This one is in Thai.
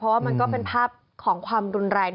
เพราะว่ามันก็เป็นภาพของความรุนแรง